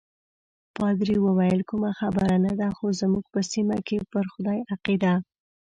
پادري وویل: کومه خبره نه ده، خو زموږ په سیمه کې پر خدای عقیده.